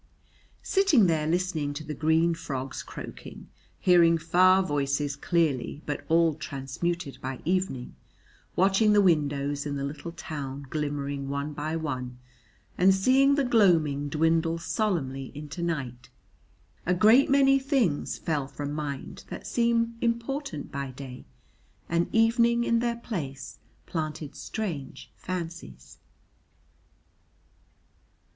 Sitting there listening to the green frogs croaking, hearing far voices clearly but all transmuted by evening, watching the windows in the little town glimmering one by one, and seeing the gloaming dwindle solemnly into night, a great many things fell from mind that seem important by day, and evening in their place planted strange fancies.